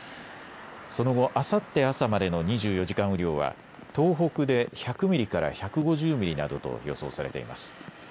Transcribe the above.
その後、あさって朝までの２４時間雨量は東北で１００ミリから１５０ミリなどと予想されています。